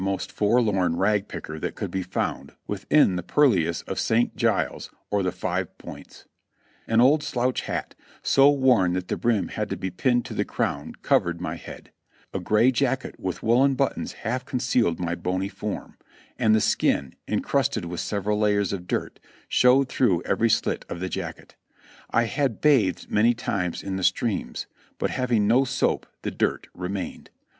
most forlorn rag picker that could be found within the purlieus of Saint Giles or the Five Points, An old slouch hat, so worn that the brim had to be pinned to the crown, covered my head; a gray jacket with wooden buttons half concealed my bony form, and the skin, encrusted with several layers of dirt, showed through every slit of the jacket. I had bathed many times in the streams, but having no soap the dirt remained.